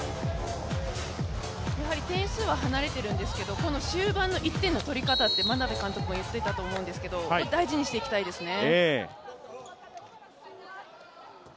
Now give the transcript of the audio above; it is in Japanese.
やはり点数は離れているんですけれども、終盤の１点の取り方眞鍋監督も言ってたと思うんですけど大事にしていきたいですね。